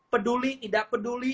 peduli tidak peduli